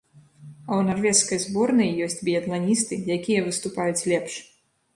А ў нарвежскай зборнай ёсць біятланісты, якія выступаюць лепш.